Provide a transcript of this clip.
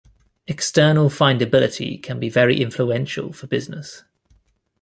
External findability can be very influential for businesses.